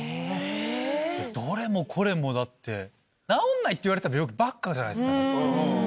どれもこれも治らないっていわれてた病気ばっかじゃないっすか。